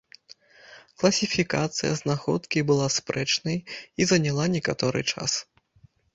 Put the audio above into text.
Класіфікацыя знаходкі была спрэчнай і заняла некаторы час.